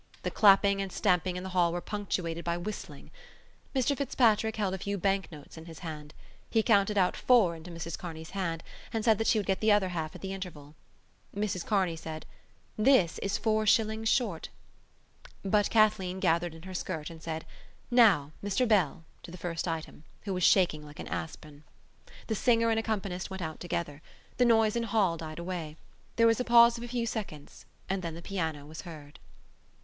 The clapping and stamping in the hall were punctuated by whistling. Mr Fitzpatrick held a few banknotes in his hand. He counted out four into Mrs Kearney's hand and said she would get the other half at the interval. Mrs Kearney said: "This is four shillings short." But Kathleen gathered in her skirt and said: "Now, Mr Bell," to the first item, who was shaking like an aspen. The singer and the accompanist went out together. The noise in hall died away. There was a pause of a few seconds: and then the piano was heard.